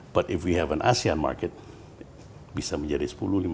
but if we have an asean market bisa menjadi sepuluh lima belas